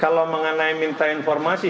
kalau mengenai minta informasi